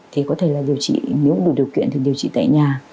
thì có thể là điều trị nếu đủ điều kiện được điều trị tại nhà